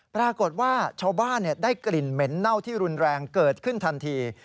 ปรากฏว่าชาวบ้านได้กลิ่นเหม็นเน่าที่รุนแรงเกิดขึ้นทันที